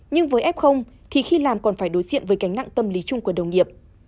nhưng với f thì khi làm còn phải đối diện với cánh nặng tâm lý chung của đồng nghiệp